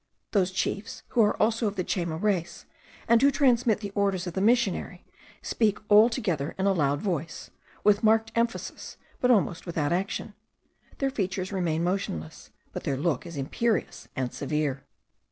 Those chiefs who are also of the Chayma race, and who transmit the orders of the missionary, speak all together in a loud voice, with marked emphasis, but almost without action. Their features remain motionless; but their look is imperious and severe.